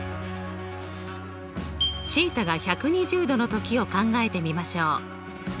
θが１２０°の時を考えてみましょう。